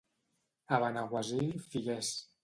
A Benaguasil, figuers.